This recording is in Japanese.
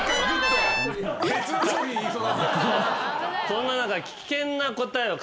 そんな中。